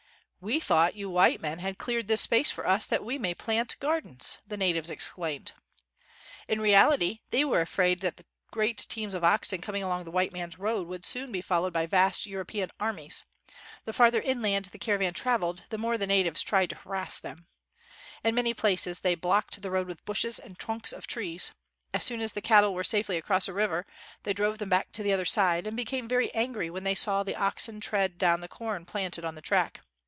"We thought you white men had cleared this space for us that we might plant gar dens," the natives explained. In reality, they were afraid that the great teams of oxen coming along the white man's road would soon be followed by vast European armies. The farther inland the caravan traveled, the more the natives tried 66 JUNGLE ROADS AND OX CARTS to harass them. In many places, they blocked the road with bushes and trunks of trees; as soon as the cattle were safely across a river, they drove them back to the other side; and became very angry when they saw the oxen tread down the corn planted on the track.